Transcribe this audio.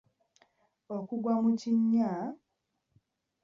okugwa mu kinnya